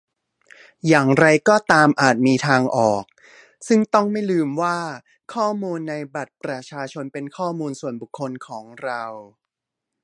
อย่างไรก็ตามอาจมีทางออก ซึ่งต้องไม่ลืมว่าข้อมูลในบัตรประชาชนเป็นข้อมูลส่วนบุคคคลของเรา